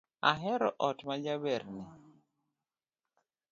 Ahero ot ma jaberni.